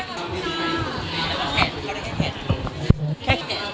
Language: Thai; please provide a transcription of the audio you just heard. เขาได้แขก